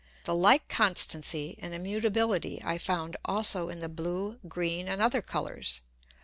The like Constancy and Immutability I found also in the blue, green, and other Colours.